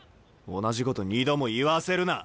同じこと２度も言わせるな。